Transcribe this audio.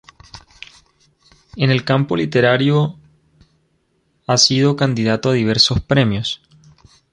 En el campo literario, ha sido candidato a diversos premios.